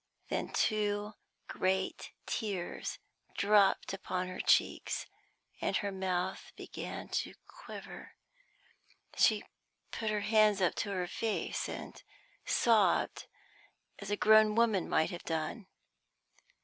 Then two great tears dropped upon her cheeks, and her mouth began to quiver. She put her hands up to her face, and sobbed as a grown woman might have done.